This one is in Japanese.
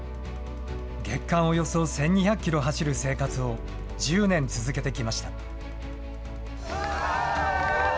月間およそ１２００キロ走る生活を１０年続けてきました。